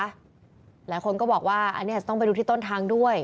หลายคนก็บอกว่าอันนี้อาจจะต้องไปดูที่ต้นทางด้วย